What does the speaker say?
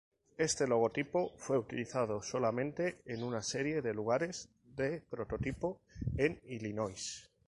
Este logotipo fue utilizado solamente en una serie de lugares de prototipo en Illinois.